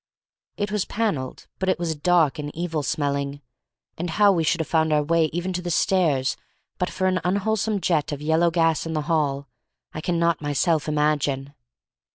It was panelled, but it was dark and evil smelling, and how we should have found our way even to the stairs but for an unwholesome jet of yellow gas in the hall, I cannot myself imagine.